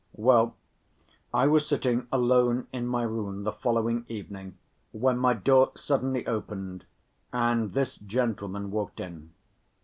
Well, I was sitting alone in my room the following evening, when my door suddenly opened and this gentleman walked in.